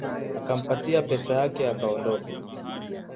Akampatia pesa yake akaondoka